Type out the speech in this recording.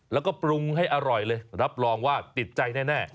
แล้วก็ปรุงให้อร่อยเลยรับรองว่าติดใจแน่